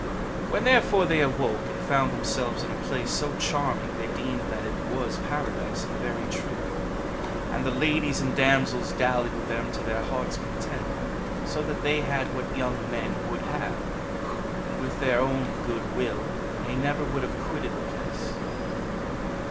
When therefore they awoke, and found themselves in a place so charming, they deemed that it was Paradise in very truth. And the ladies and damsels dallied with them to their hearts' content, so that they had what young men would have ; and with their own good will they never would have quitted the place.